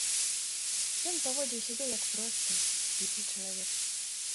Ён паводзіў сябе як просты, сціплы чалавек.